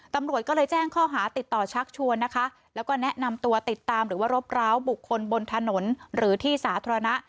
ตำรวจก็เลยแจ้งข้อหาติดต่อชักชวนนะคะแล้วก็แนะนำตัวติดตามหรือว่ารบร้าวบุคคลบนถนนหรือที่สาธารณะ